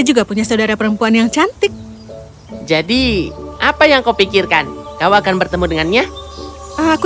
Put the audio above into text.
juga punya saudara perempuan yang cantik jadi apa yang kau pikirkan kau akan bertemu dengannya aku